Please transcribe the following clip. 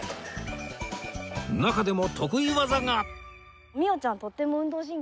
中でも得意技が